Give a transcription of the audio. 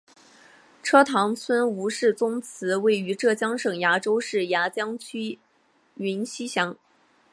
车塘村吴氏宗祠位于浙江省衢州市衢江区云溪乡。